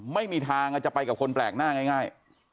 ไม่มีทางจะไปกับคนแปลกหน้าง่าย